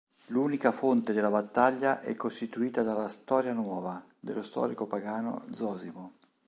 L'unica fonte della battaglia è costituita dalla "Storia Nuova" dello storico pagano Zosimo.